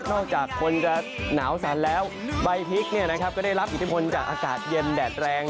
นอกจากคนจะหนาวสันแล้วใบพลิกเนี่ยนะครับก็ได้รับอิทธิพลจากอากาศเย็นแดดแรง